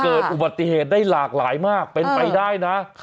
เกิดอุบัติเหตุได้หลากหลายมากเป็นไปได้นะ